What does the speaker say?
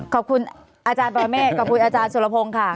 ขอบคุณอาจารย์ปรเมฆขอบคุณอาจารย์สุรพงศ์ค่ะ